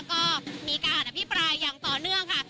ก็มีการอภิปรายอย่างต่อเนื่องค่ะ